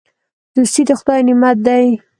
دوستي د خدای نعمت دی.